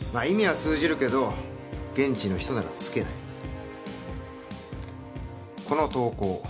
意味は通じるけど現地の人ならつけないこの投稿